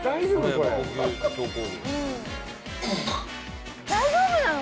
これ大丈夫なの！？